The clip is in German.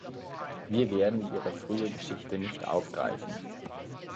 Wir werden ihre frühe Geschichte nicht aufgreifen.